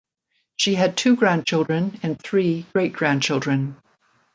She had two grandchildren and three great grandchildren.